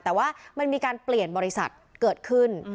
แต่ว่ามันมีการเปลี่ยนบริษัทเกิดขึ้น